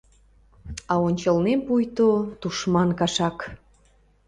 А ончылнем пуйто — тушман кашак.